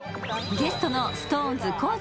ゲストのＳｉｘＴＯＮＥＳ地